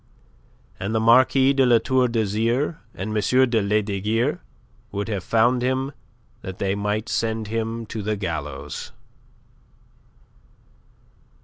And the Marquis de La Tour d'Azyr and M. de Lesdiguieres would have found him that they might send him to the gallows.